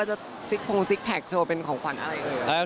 จะซิกโภงซิกแท็กโชว์เป็นของขวัญอะไรไหม